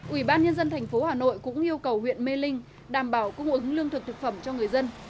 ủy ban nhân dân thành phố hà nội cũng yêu cầu huyện mê linh đảm bảo cung ứng lương thực thực phẩm cho người dân